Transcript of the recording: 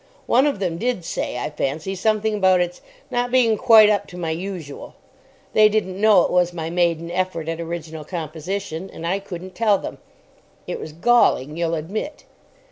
One of them did say, I fancy, something about its "not being quite up to my usual." They didn't know it was my maiden effort at original composition, and I couldn't tell them. It was galling, you'll admit.